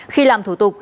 khi làm thủ tục